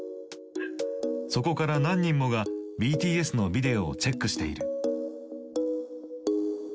そこから何人もがＢＴＳのビデオをチェックしている。